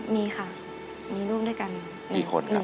มีค่ะมีลูกด้วยกัน